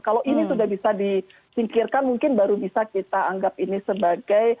kalau ini sudah bisa disingkirkan mungkin baru bisa kita anggap ini sebagai